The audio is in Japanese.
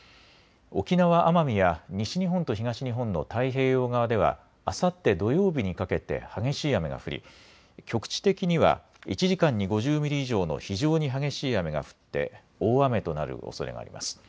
沖縄・奄美や西日本と東日本の太平洋側ではあさって土曜日にかけて激しい雨が降り局地的には１時間に５０ミリ以上の非常に激しい雨が降って大雨となるおそれがあります。